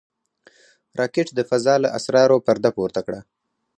راکټ د فضا له اسرارو پرده پورته کړه